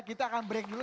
kita akan break dulu